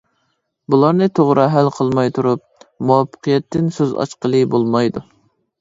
بۇلارنى توغرا ھەل قىلماي تۇرۇپ، مۇۋەپپەقىيەتتىن سۆز ئاچقىلى بولمايدۇ.